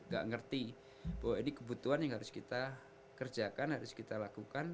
gak ngerti bahwa ini kebutuhan yang harus kita kerjakan harus kita lakukan